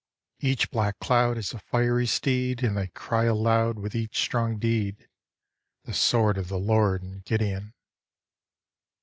Each black cloud Is a fiery steed. And they cry aloud With each strong deed, "The sword of the Lord and Gideon."